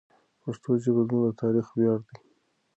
پښتو ژبه زموږ د تاریخ ویاړ دی.